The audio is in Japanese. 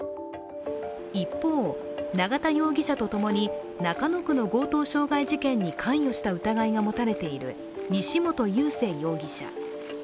一方、永田容疑者とともに中野区の強盗傷害事件に関与した疑いが持たれている西本祐聖容疑者。